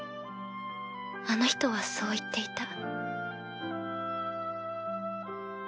あの人はそう言っていた。